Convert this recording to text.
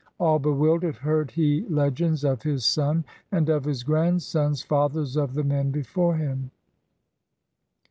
All bewildered heard he legends Of his son and of his grandsons, Fathers of the men before him.